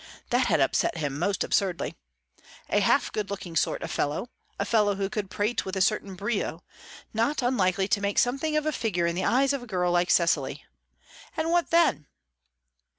That had upset him, most absurdly. A half good looking sort of fellow: a fellow who could prate with a certain brio; not unlikely to make something of a figure in the eyes of a girl like Cecily. And what then?